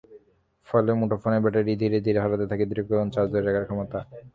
ফলে মুঠোফোনের ব্যাটারি ধীরে ধীরে হারাতে থাকে দীর্ঘক্ষণ চার্জ ধরে রাখার ক্ষমতা।